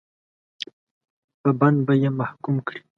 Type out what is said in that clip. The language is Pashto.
په بند به یې محکوم کړي.